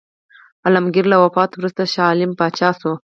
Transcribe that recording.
عالمګیر له وفات څخه وروسته شاه عالم پاچا شو.